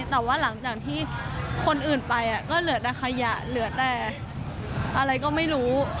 แต่ว่าหลังจากที่คนอื่นไปก็เหลือแต่ขยะเหลือแต่อะไรก็ไม่รู้